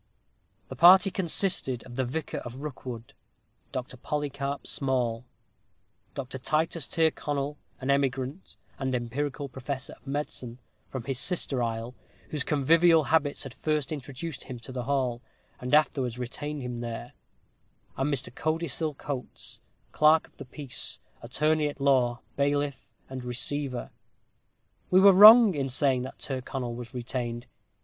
The party consisted of the vicar of Rookwood, Dr. Polycarp Small; Dr. Titus Tyrconnel, an emigrant, and empirical professor of medicine, from the sister isle, whose convivial habits had first introduced him to the hall, and afterwards retained him there; and Mr. Codicil Coates, clerk of the peace, attorney at law, bailiff, and receiver. We were wrong in saying that Tyrconnel was retained.